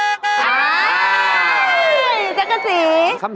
กลับไปก่อนเลยนะครับ